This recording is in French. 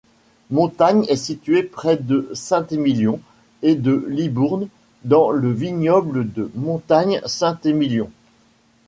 Montagne est située près de Saint-Émilion et de Libourne dans le vignoble de Montagne-Saint-Émilion.